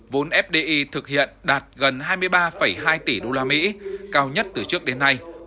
vốn fdi thực hiện đạt gần hai mươi ba hai tỷ usd cao nhất từ trước đến nay